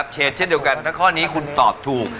เชฟเช่นเดียวกันถ้าข้อนี้คุณตอบถูก